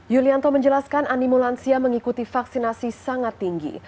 yulianto menjelaskan animu lansia mengikuti vaksinasi sangat tinggi